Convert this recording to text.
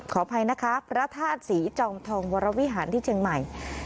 ขออภัยนะคะพระธาตุศรีจอมทองวรวิหารที่เชียงใหม่